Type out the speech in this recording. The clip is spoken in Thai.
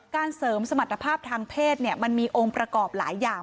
เสริมสมรรถภาพทางเพศมันมีองค์ประกอบหลายอย่าง